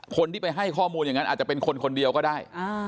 คนที่ไปให้ข้อมูลอย่างนั้นอาจจะเป็นคนคนเดียวก็ได้